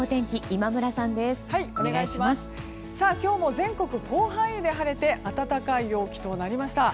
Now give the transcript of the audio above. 今日も全国広範囲で晴れて暖かい陽気となりました。